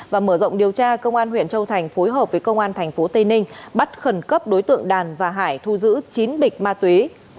và mở rộng điều tra công an huyện châu thành phối hợp với công an tp tây ninh bắt khẩn cấp đối tượng đàn và hải thu giữ chín bịch ma túy